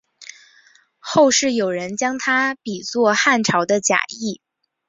后世有人将他比作汉朝的贾谊。